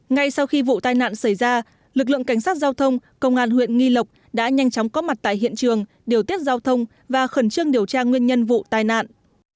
ngay sau khi vụ tai nạn xảy ra lực lượng cảnh sát giao thông công an huyện nghi lộc đã nhanh chóng có mặt tại hiện trường điều tiết giao thông và khẩn trương điều tra nguyên nhân vụ tai nạn